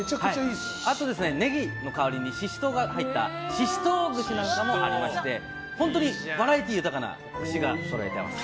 あと、ネギの代わりにシシトウが入ったシシ唐串なんかもありまして本当にバラエティー豊かな串がそろえられてます。